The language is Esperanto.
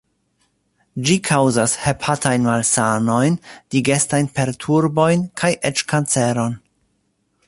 Ĝi kaŭzas hepatajn malsanojn, digestajn perturbojn kaj eĉ kanceron.